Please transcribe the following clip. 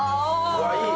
うわっいい！